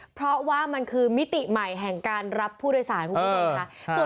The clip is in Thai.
เพราะว่ามันคือมิติใหม่แห่งการรับผู้โดยสารคุณผู้ชมค่ะ